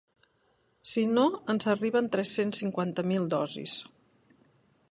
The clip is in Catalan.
Si no ens arriben tres-cents cinquanta mil dosis!